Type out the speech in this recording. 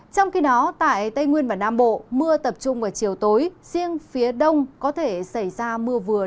trong khi đó tại tây nguyên và nam bộ mưa tập trung vào chiều tối riêng phía đông có thể xảy ra mưa vừa